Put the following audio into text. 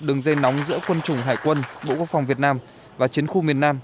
đường dây nóng giữa quân chủng hải quân bộ quốc phòng việt nam và chiến khu miền nam